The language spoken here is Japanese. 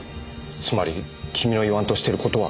つまり君の言わんとしている事は。